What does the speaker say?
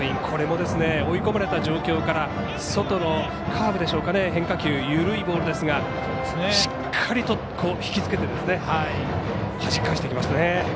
これも追い込まれた状況から外のカーブでしょうか、変化球緩いボールですがしっかりと引きつけてはじき返していきましたね。